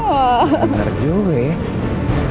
bener juga ya